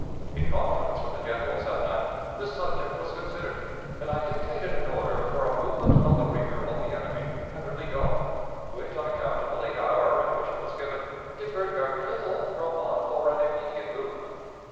In conference with the generals that night, this subject was considered, and I dictated an order for a movement on the rear of the enemy at early dawn, which, on account of the late hour at which it was given, differed very little from one for an immediate movement.